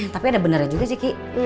tapi ada beneran juga sih kiki